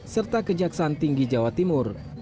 serta ke jaksan tinggi jawa timur